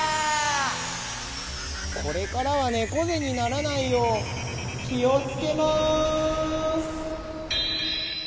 これからはねこぜにならないようきをつけます。